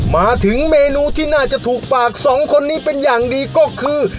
มาถึงเมนูที่น่าจะถูกปากสองคนนี้เป็นอย่างดีก็คือ